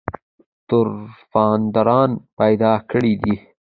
طرفداران پیدا کړي دي.